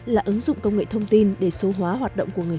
là ứng dụng công nghệ thông tin để số hóa hoạt động của người dân